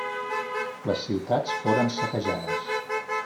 Les ciutats foren saquejades.